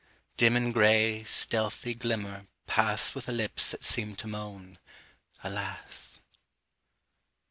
Dim in gray, stealthy glimmer, pass With lips that seem to moan "Alas."